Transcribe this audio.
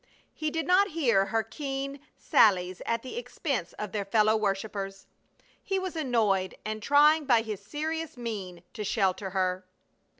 He did not hear her keen sallies at the expense of their fellow worshipers. He was annoyed and trying by his serious mien to shelter her.